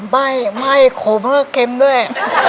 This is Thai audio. มายไหม้ของก็เค็มด้วย